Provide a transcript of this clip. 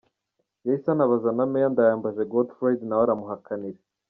Yahise anabaza na Meya, Ndayambaje Godefroid na we aramuhakanira.